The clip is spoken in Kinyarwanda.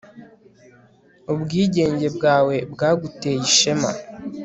Ubwigenge bwawe bwaguteye ishema